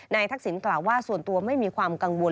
ทักษิณกล่าวว่าส่วนตัวไม่มีความกังวล